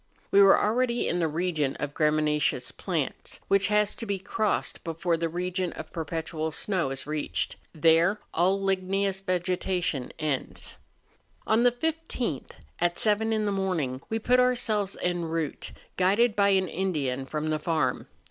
We were already in the region of graminaceous plants, which has to be crossed before the region of perpetual snow is reached; there all ligneous vegetation ends. On the 15th, at seven in the morning, we put ourselves en route, guided by an Indian from the farm.